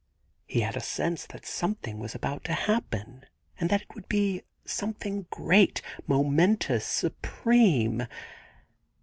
He had a sense that something was about to happen, 99 THE GARDEN GOD and that it would be something great, momentous, supreme.